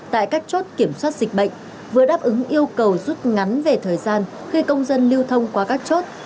tại các chốt kiểm soát dịch bệnh vừa đáp ứng yêu cầu rút ngắn về thời gian khi công dân lưu thông qua các chốt